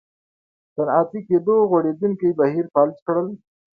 صنعتي کېدو غوړېدونکی بهیر فلج کړل.